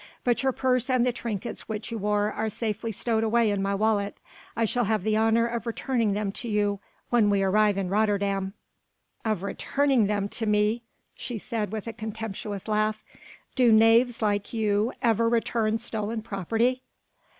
But your purse and the trinkets which you wore are safely stowed away in my wallet. I shall have the honour of returning them to you when we arrive in Rotterdam." "Of returning them to me," she said with a contemptuous laugh, "do knaves like you ever return stolen property?"